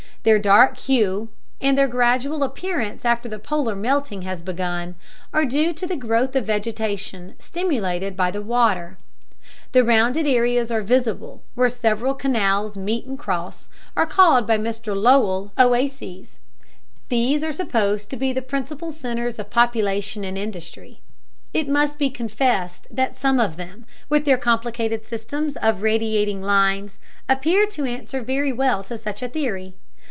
Their dark hue, and their gradual appearance after the polar melting has begun, are due to the growth of vegetation stimulated by the water. The rounded areas visible where several "canals" meet and cross are called by Mr Lowell "oases." These are supposed to be the principal centers of population and industry. It must be confessed that some of them, with their complicated systems of radiating lines, appear to answer very well to such a theory.